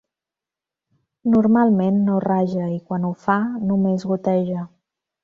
Normalment no raja i, quan ho fa, només goteja.